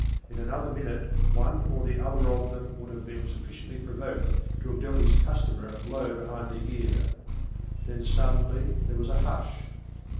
In another minute one or the other of them would have been sufficiently provoked to have dealt his customer a blow behind the ear. Then suddenly there was a hush.